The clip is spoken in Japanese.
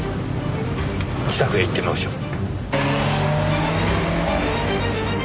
自宅へ行ってみましょう。